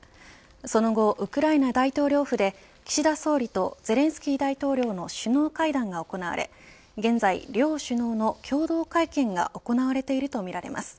その後、ウクライナ大統領府で岸田総理とゼレンスキー大統領の首脳会談が行われ現在両首脳の共同会見が行われているとみられます。